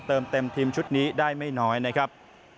เติมเต็มทีมชุดนี้ได้ไม่น้อยนะครับ